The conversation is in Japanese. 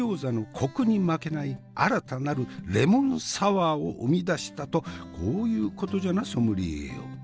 コクに負けない新たなるレモンサワーを生み出したとこういうことじゃなソムリエよ。